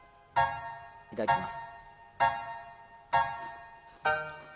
いただきます